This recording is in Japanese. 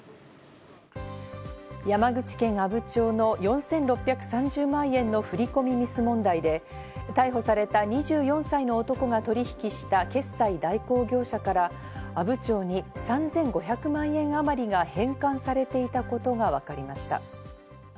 山口県阿武町の４６３０万円の振り込みミス問題で逮捕された２４歳の男が取引した決済代行業者から阿武町に３５００万円あまりが返還されていたことがわかりました。